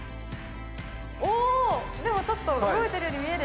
おでもちょっと動いてるように見える！